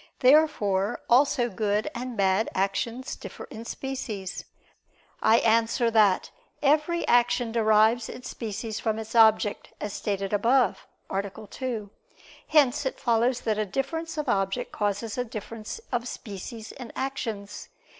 Therefore also good and bad actions differ in species. I answer that, Every action derives its species from its object, as stated above (A. 2). Hence it follows that a difference of object causes a difference of species in actions.